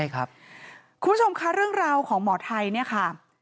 คุณผู้ชมค่ะเรื่องราวของหมอไทยเนี่ยค่ะ